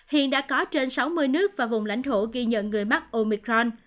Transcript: hiện đã có trên sáu mươi nước và vùng lãnh thổ ghi nhận người mắc omicron